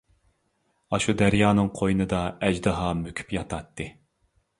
ئاشۇ دەريانىڭ قوينىدا ئەجدىھا مۆكۈپ ياتاتتى.